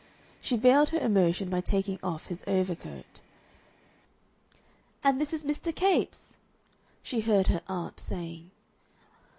She veiled her emotion by taking off his overcoat. "And this is Mr. Capes?" she heard her aunt saying.